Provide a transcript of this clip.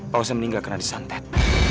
pak hussein meninggal karena disantet